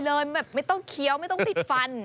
ละลายเลยไม่ต้องเคี้ยวไม่ต้องปิดฟัน